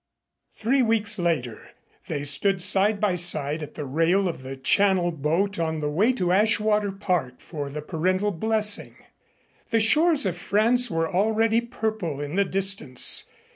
Three weeks later they stood side by side at the rail of the Channel boat on the way to Ashwater Park for the parental blessing. The shores of France were already purple in the distance.